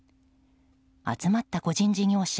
集まった個人事業者